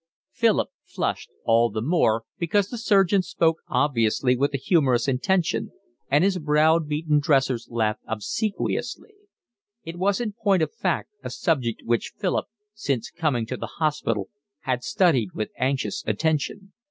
Philip flushed, all the more because the surgeon spoke obviously with a humorous intention, and his brow beaten dressers laughed obsequiously. It was in point of fact a subject which Philip, since coming to the hospital, had studied with anxious attention.